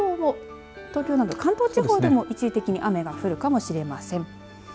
そして、東京など関東地方でも一時的に雨が降るかもしれません。